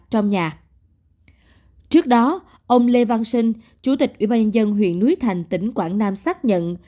trước đó ông lê văn sinh chủ tịch ủy ban nhân dân huyện núi thành tỉnh quảng nam xác nhận